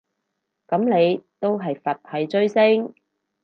噉你都係佛系追星